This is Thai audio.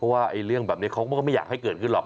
เพราะว่าเรื่องแบบนี้เขาก็ไม่อยากให้เกิดขึ้นหรอก